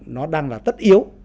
nó đang là tất yếu